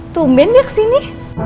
tumben dia kesini